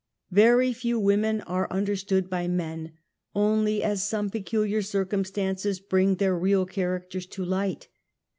Veryjfew women are under \^/ stood by men, only as some peculiar circumstances ^ (bring their real characters to light.